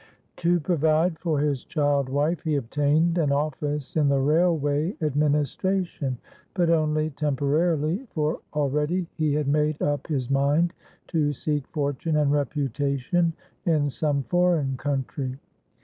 To provide for his child wife he obtained an office in the railway administration, but only temporarily, for already he had made up his mind to seek fortune and reputation in some foreign country.